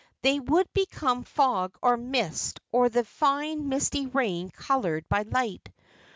They would become fog or mist or the fine misty rain colored by light.